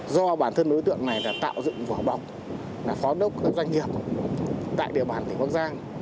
do bản thân đối tượng này là tạo dựng quả bọc là phó đốc doanh nghiệp tại địa bàn thủy quốc giang